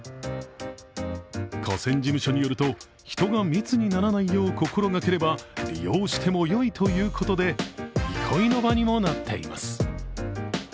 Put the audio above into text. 河川事務所によると人が密にならないよう心がければ利用してもよいということで、憩いの場にもなっています。